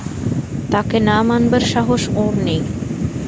তাঁকে না মানবার সাহস ওঁর নেই।